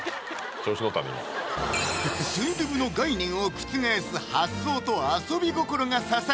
今スンドゥブの概念を覆す発想と遊び心が刺さり